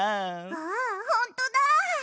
あほんとだ！